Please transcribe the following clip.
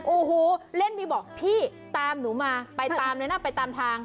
โอ้โหเล่นบีบอกพี่ตามหนูมาไปตามเลยนะไปตามทาง